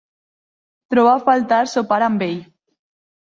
Trobo a faltar sopar amb ell.